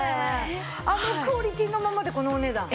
あのクオリティーのままでこのお値段？